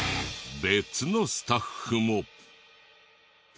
別のスタッフも。